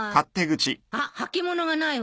あっ履物がないわ。